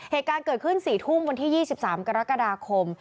เหตุการณ์เกิดขึ้น๔ทุ่มวันที่๒๓กรกฎาคม